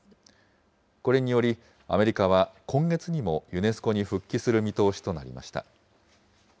これにより、アメリカは今月にもユネスコに復帰する見通しとなりました。